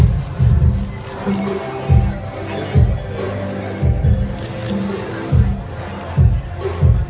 สโลแมคริปราบาล